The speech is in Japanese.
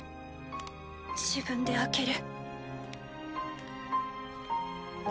自分で開ける。